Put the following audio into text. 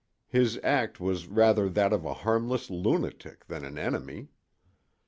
His act was rather that of a harmless lunatic than an enemy.